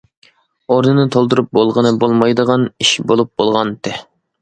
ئورنىنى تولدۇرۇپ بولغىنى بولمايدىغان ئىش بولۇپ بولغانتى.